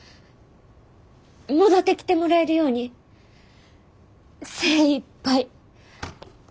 戻ってきてもらえるように精いっぱい頑張ります。